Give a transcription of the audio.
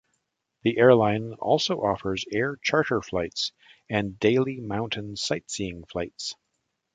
The airline also offers air charter flights and daily mountain sightseeing flights.